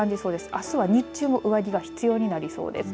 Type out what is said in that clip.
あすは日中も上着が必要になりそうです。